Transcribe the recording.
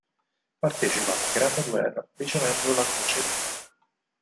Partecipa alla Grande Guerra ricevendo la croce di guerra.